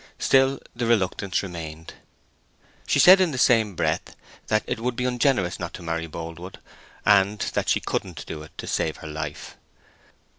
Still the reluctance remained. She said in the same breath that it would be ungenerous not to marry Boldwood, and that she couldn't do it to save her life.